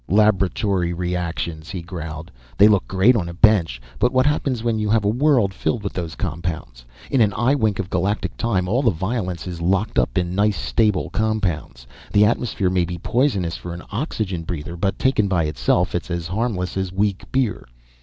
"Laboratory reactions!" he growled. "They look great on a bench but what happens when you have a world filled with those compounds? In an eye wink of galactic time all the violence is locked up in nice, stable compounds. The atmosphere may be poisonous for an oxygen breather, but taken by itself it's as harmless as weak beer.